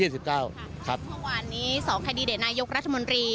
ทุกวันนี้๒คันดิเดตนายกรัฐมนตรี